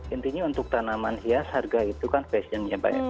intinya untuk tanaman hias harga itu kan fashionnya banyak